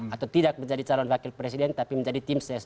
atau tidak menjadi calon wakil presiden tapi menjadi tim ses